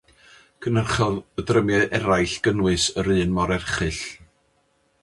Cynhyrchodd y drymiau eraill gynnwys yr un mor erchyll.